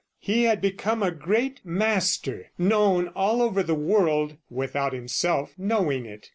He had become a great master, known all over the world, without himself knowing it.